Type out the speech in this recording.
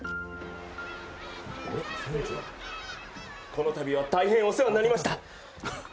このたびは大変お世話になりました。